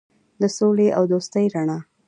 د سولې او دوستۍ رڼا.